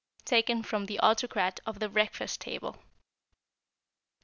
Taken from The Autocrat of the Breakfast Table.